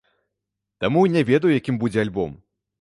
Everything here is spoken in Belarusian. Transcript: Таму не ведаю, якім будзе альбом.